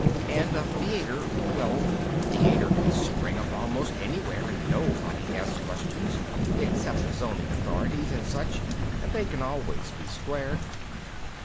"And a theater, well, a theater can spring up almost anywhere and nobody ask questions, except the zoning authorities and such and they can always be squared.